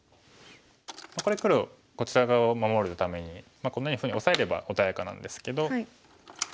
これ黒こちら側を守るためにこんなふうにオサえれば穏やかなんですけど。